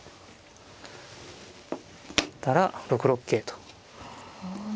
成ったら６六桂と。